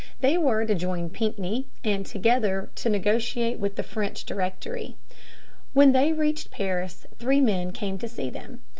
They were to join Pinckney and together were to negotiate with the French Directory. When they reached Paris three men came to see them.